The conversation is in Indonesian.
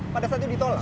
pada saat itu ditolak